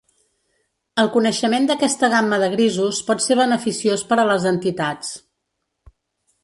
El coneixement d’aquesta gamma de grisos pot ser beneficiós per a les entitats.